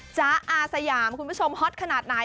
จ๊ะอาสยามคุณผู้ชมฮอตขนาดไหน